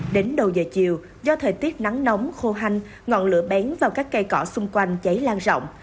đến đầu giờ chiều do thời tiết nắng nóng khô hanh ngọn lửa bén vào các cây cỏ xung quanh cháy lan rộng